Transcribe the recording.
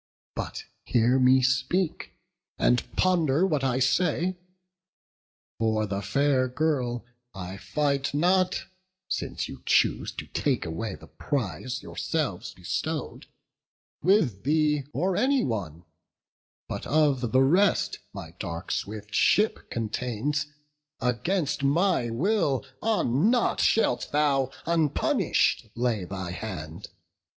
But hear me speak, and ponder what I say: For the fair girl I fight not (since you choose To take away the prize yourselves bestow'd) With thee or any one; but of the rest My dark swift ship contains, against my will On nought shalt thou, unpunish'd, lay thy hand.